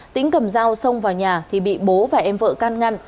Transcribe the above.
tính cầm dao xông vào nhà thì bị bố và em vợ can ngăn